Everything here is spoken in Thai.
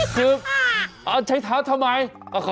คือเอาใช้เท้าทำไม